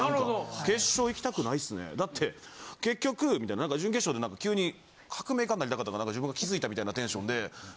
「決勝行きたくないっすねだって結局」みたいな何か準決勝で急に革命家になりたかったか何か自分が気付いたみたいなテンションで。